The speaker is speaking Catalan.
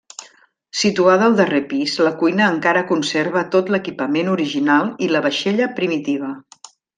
Situada al darrer pis, la cuina encara conserva tot l'equipament original i la vaixella primitiva.